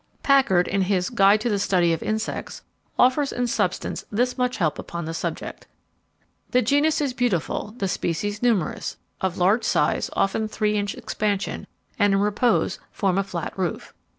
Packard, in his "Guide to the Study of Insects", offers in substance this much help upon the subject: "The genus is beautiful, the species numerous, of large size, often three inch expansion, and in repose form a flat roof.